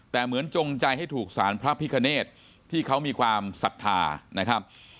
แต่เหมือนจงใจให้ถูกสารพระพิคเนตที่เขามีความศรัทธานะครับ